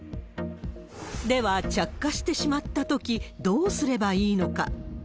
では、着火してしまったときどうすればいいのか。